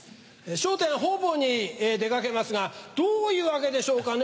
『笑点』方々に出掛けますがどういうわけでしょうかね